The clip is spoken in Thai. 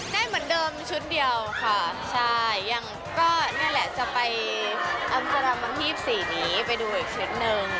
ได้เหมือนเดิมชุดเดียวค่ะใช่ยังก็นี่แหละจะไปอำวันที่๒๔นี้ไปดูอีกชุดหนึ่ง